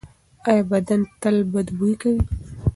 ایا بدن تل بد بوی کوي؟